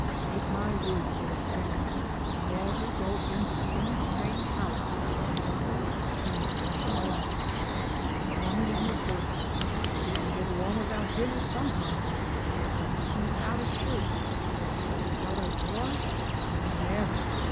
Take my word for it, friend, never go into any strange house without stoppin' and brushin' off. It's money in your purse! You can get along without dinner sometimes, or even without a shirt, but without a brush never!